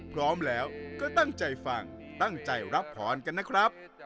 พร้อมแล้วก็ตั้งใจฟังตั้งใจรับพรกันนะครับ